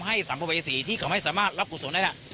ให้สัมภัยศรีที่เขาไม่สามารถรับกุศลนั้น